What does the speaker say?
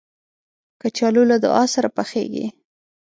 کچالو له دعا سره پخېږي